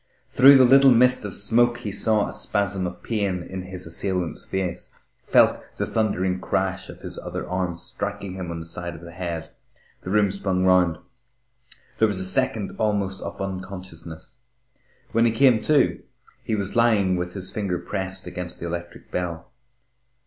Through the little mist of smoke he saw a spasm of pain in his assailant's face, felt the thundering crash of his other arm, striking him on the side of the head. The room spun round. There was a second almost of unconsciousness.... When he came to, he was lying with his finger pressed against the electric bell.